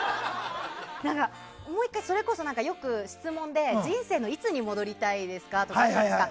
それこそ、よく質問で人生のいつに戻りたいですかってあるじゃないですか。